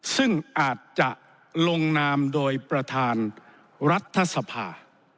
ซึ่งอาจจะลงนามโดยประธานรัฐสภา